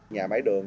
nhà máy đường